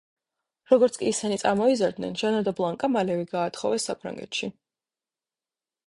როგორც კი ისინი წამოიზარდნენ, ჟანა და ბლანკა მალევე გაათხოვეს საფრანგეთში.